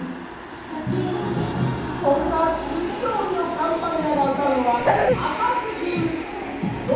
そんな水曜日のカンパネラが歌うのは「赤ずきん」。